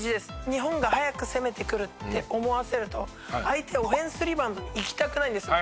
日本が速く攻めてくるって思わせると相手オフェンスリバウンドに行きたくないんですよ。